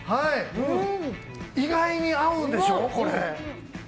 意外に合うでしょ、これ。